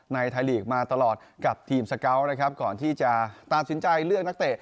ในทายลีกมาตลอดกับทีมสกั๊วท์นะครับก่อนที่จะตามสินใจเลือกนักแต่